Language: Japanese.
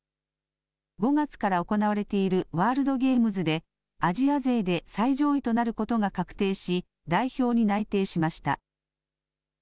５月から行われているワールドゲームズで、アジア勢で最上位となることが確定し、代表に内定しました。